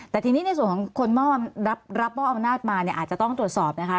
แต่ทีนี้ในส่วนของคนรับมอบอำนาจมาเนี่ยอาจจะต้องตรวจสอบนะคะ